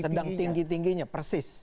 sedang tinggi tingginya persis